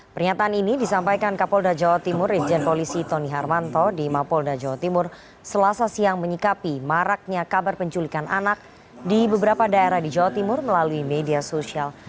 pernyataan ini disampaikan kapolda jawa timur irjen polisi tony harmanto di mapolda jawa timur selasa siang menyikapi maraknya kabar penculikan anak di beberapa daerah di jawa timur melalui media sosial